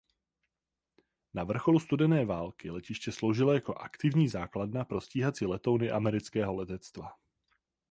Na vrcholu studené války letiště sloužilo jako aktivní základna pro stíhací letouny amerického letectva.